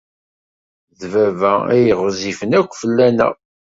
D baba ay ɣezzifen akk fell-aneɣ.